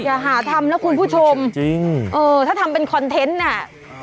อย่าหาทำนะคุณผู้ชมจริงเออถ้าทำเป็นคอนเทนต์น่ะ